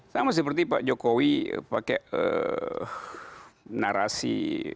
sama seperti pak jokowi pakai narasi